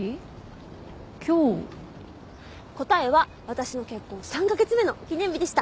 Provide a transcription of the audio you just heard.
答えは私の結婚３カ月目の記念日でした。